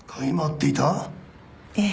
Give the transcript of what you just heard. ええ。